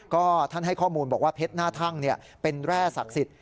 ก็ท่านให้ข้อมูลบอกว่าเพชรหน้าทั่งเป็นแร่ศักดิ์สิทธิ